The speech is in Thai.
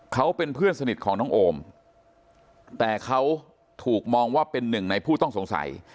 เขาเป็นเพื่อนสนิทของน้องโอมแต่เขาถูกมองว่าเป็นหนึ่งในผู้ต้องสงสัย